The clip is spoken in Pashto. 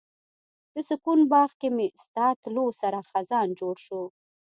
د سکون باغ کې مې ستا تلو سره خزان جوړ شو